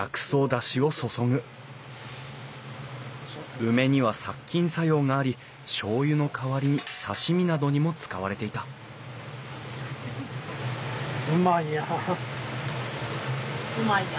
梅には殺菌作用がありしょうゆの代わりに刺身などにも使われていたうまいやん。